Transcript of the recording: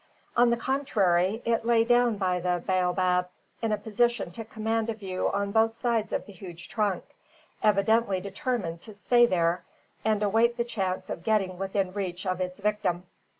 On the contrary, it lay down by the baobab in a position to command a view on both sides of the huge trunk, evidently determined to stay there and await the chance of getting within reach of its victim.